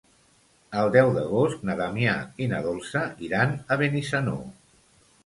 El deu d'agost na Damià i na Dolça iran a Benissanó.